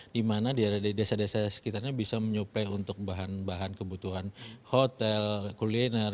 dimana daerah daerah desa desa sekitarnya bisa menyuplai untuk bahan bahan kebutuhan hotel kuliner